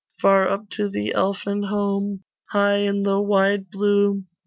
Far up to the Elfin home, High in the wide blue.